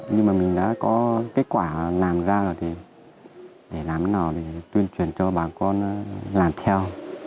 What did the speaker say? nhưng mà mình đã có kết quả làm ra rồi thì để làm nào để tuyên truyền cho bà con làm theo